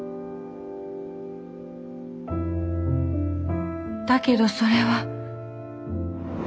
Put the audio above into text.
心の声だけどそれは。